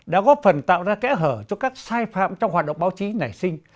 đã góp phần tạo ra kẽ hở cho các sai phạm trong hoạt động báo chí nảy sinh